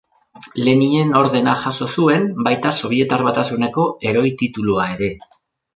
Leninen Ordena jaso zuen, baita Sobietar Batasuneko heroi titulua ere.